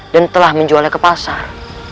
dan telah menjualnya ke pasar